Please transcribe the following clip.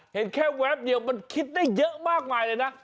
เห็นแค่แวบเดียวมันคิดได้เยอะมากมายเลยนะ